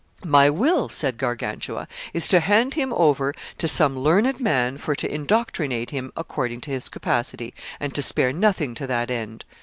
'My will,' said Gargantua, 'is to hand him over to some learned man for to indoctrinate him according to his capacity, and to spare nothing to that end.